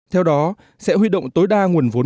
theo đó sẽ huy động tối đa nguồn vốn